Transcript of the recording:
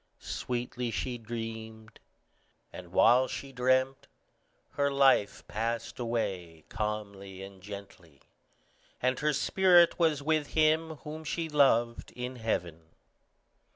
Sweetly she dreamed, and while she dreamt, her life passed away calmly and gently, and her spirit was with him whom she loved, in heaven.